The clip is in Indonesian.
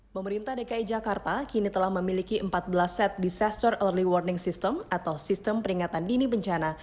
pemerintah dki jakarta kini telah memiliki empat belas set disaster early warning system atau sistem peringatan dini bencana